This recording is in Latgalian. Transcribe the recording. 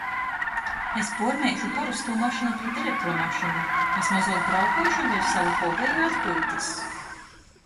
Es puormeišu parostū mašynu pret elektromašynu. Es mozuok braukuošu deļ sovu hobeju i atpyutys.